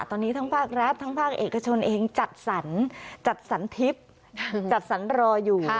ตอนนี้ทั้งภาครัฐทั้งภาคเอกชนเองจัดสรรจัดสรรทิพย์จัดสรรรออยู่